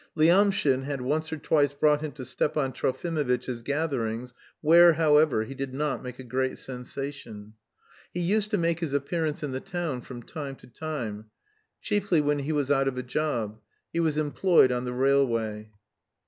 Lyamshin had once or twice brought him to Stepan Trofimovitch's gatherings, where, however, he did not make a great sensation. He used to make his appearance in the town from time to time, chiefly when he was out of a job; he was employed on the railway.